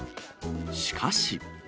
しかし。